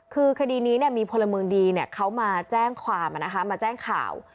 คือคดีนี้เนี่ยมีพลเมืองดีเนี่ยเขามาแจ้งข่าว